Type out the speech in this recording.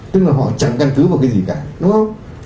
tức là họ chẳng căn cứ vào cái gì cả đúng không